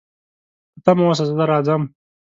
په تمه اوسه، زه راځم